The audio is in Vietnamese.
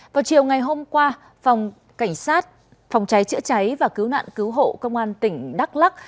vào chiều ngày hôm qua phòng cháy chữa cháy và cứu nạn cứu hộ công an tỉnh đắk lắc